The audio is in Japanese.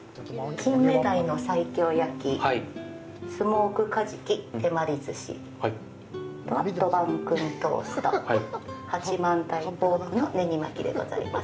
キンメダイの西京焼き、スモークカジキ手まり寿司、あとはどばんくんトースト、八幡平ポークの葱巻でございます。